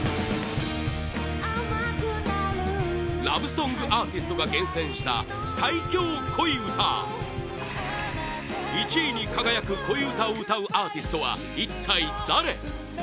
ラブソングアーティストが厳選した最強恋うた１位に輝く恋うたを歌うアーティストは一体誰？